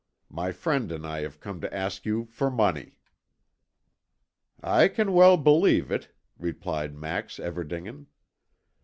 My friend and I have come to ask you for money." "I can well believe it," replied Max Everdingen.